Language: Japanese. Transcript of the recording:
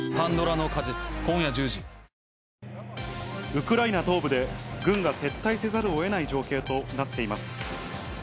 ウクライナ東部で、軍が撤退せざるをえない状況となっています。